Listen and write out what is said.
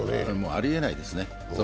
ありえないですね。